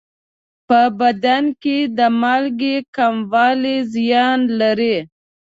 په بدن کې د مالګې کموالی زیان لري.